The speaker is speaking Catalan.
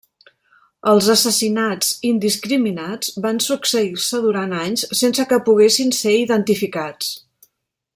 Els assassinats indiscriminats van succeir-se durant anys sense que poguessin ser identificats.